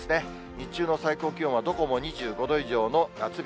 日中の最高気温はどこも２５度以上の夏日。